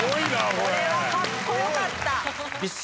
これはカッコよかった。